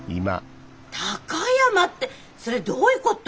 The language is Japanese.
「高山」ってそれどういうこと？